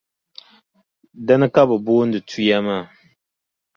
Dina ka bɛ booni tuya maa.